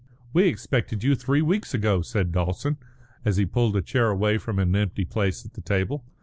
"We expected you three weeks ago," said Dawson, as he pulled a chair away from an empty place at the table.